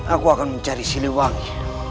aku akan mencari siliwangi